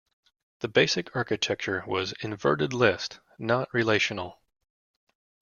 The basic architecture was "inverted list", not relational.